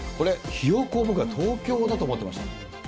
ひよ子、僕、東京だと思ってました。